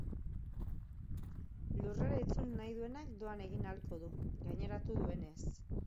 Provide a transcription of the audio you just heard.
Lurrera itzul nahi duenak doan egin ahalko du, gaineratu duenez.